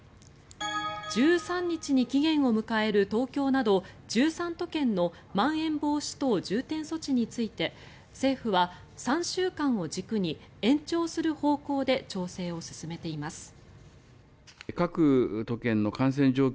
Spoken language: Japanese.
１３日に期限を迎える東京など１３都県のまん延防止等重点措置について政府は３週間を軸に延長する方向で調整を進めています。